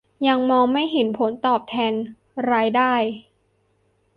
ยังมองไม่เห็นผลตอบแทนรายได้